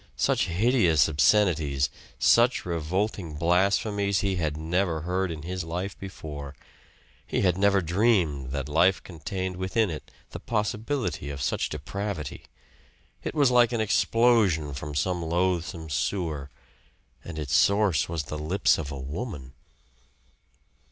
Such hideous obscenities, such revolting blasphemies he had never heard in his life before he had never dreamed that life contained within it the possibility of such depravity. It was like an explosion from some loathsome sewer; and its source was the lips of a woman.